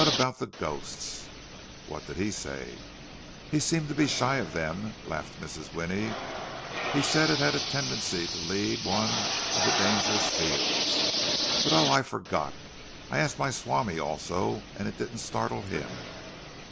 "But about the ghosts—" "What did he say?" "He seemed to be shy of them," laughed Mrs. Winnie. "He said it had a tendency to lead one into dangerous fields. But oh! I forgot—I asked my swami also, and it didn't startle him.